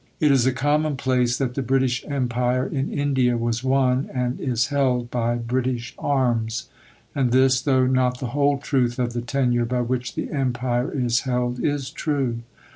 It is a commonplace that the British Empire in India was won and is held by British arms. And this, though not the whole truth of the tenure by which the Empire is held, is true.